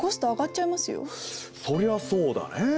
そりゃそうだね。